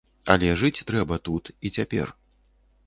Але жыць трэба тут і цяпер.